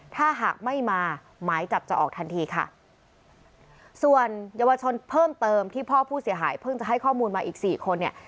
ถ้าหากไม่มาหมายจับจะออกทันทีค่ะส่วนเยาวชนเพิ่มเติมที่พ่อผู้เสียหายเพิ่งจะให้ข้อมูลมาอีกสี่คนเนี่ย